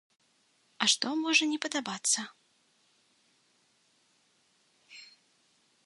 А што можа не падабацца?